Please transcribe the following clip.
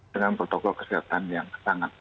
dengan protokol kesehatan yang sangat